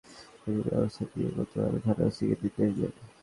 আদালত আইন অনুযায়ী প্রয়োজনীয় ব্যবস্থা নিতে কোতোয়ালি থানার ওসিকে নির্দেশ দেন।